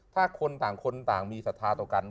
ถ้าคนต่างมีสัทธาต่อกัน